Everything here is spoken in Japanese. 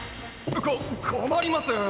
こ困ります！